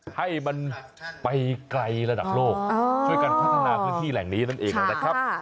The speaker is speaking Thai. ให้มันไปไกลระดับโลกช่วยกันพัฒนาพื้นที่แหล่งนี้นั่นเองนะครับ